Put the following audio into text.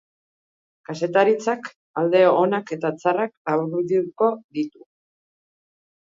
Kazetaritzak alde onak eta txarrak laburbilduko ditut.